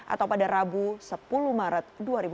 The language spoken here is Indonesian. atau pada rabu sepuluh maret dua ribu dua puluh